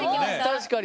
確かに。